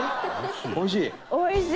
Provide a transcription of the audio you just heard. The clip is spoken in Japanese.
おいしい？